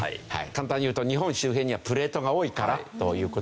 簡単にいうと日本周辺にはプレートが多いからという事ですね。